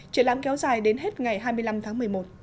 triển lãm kéo dài đến hết ngày hai mươi năm tháng một mươi một